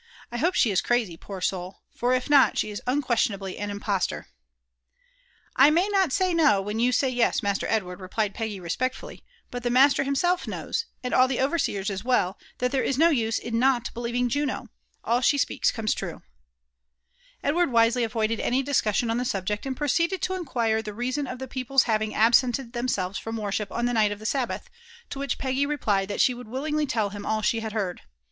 I hope she is crazy, poor soul ! for if not, she is unquestionably an impostor." "I may not say no, when you say yes, Master Edward," replied 1^ UFB 4NP ADVBNTUBBS OF Peggy respectfally ; ''but the miiiter hioMKlf kmwi, and all the overseers as well, that there is na use in not bdieving Juno. All she speaks comes trae." Edward wisely avoided any discussion on the subject, and pro «0eded to iaquira tha raaioQ of the people's liavf ag tbseiKed them •ehret kom worship on Mm wght of Uie Sabbath ; to which Peggy re^ piled that Ae wooid widiogly toll him all she had heard.